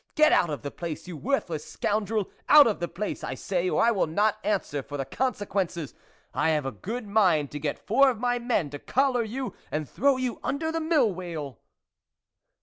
Get out of the place, you worthless scoundrel ! out of the place, I say ! or I will not answer for the conse quences ; I have a good mind to get four of my men to collar you and throw you under the Mill wheel."